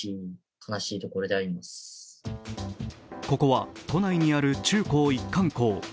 ここは都内にある中高一貫校。